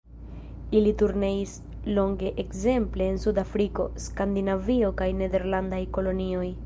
Ili turneis longe ekzemple en Sudafriko, Skandinavio kaj nederlandaj kolonioj.